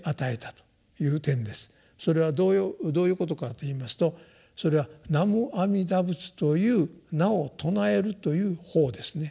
それはどういうことかと言いますとそれは「南無阿弥陀仏」という名を称えるという方ですね方法。